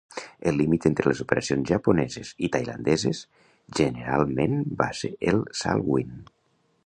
El límit entre les operacions japoneses i tailandeses generalment va ser el Salween.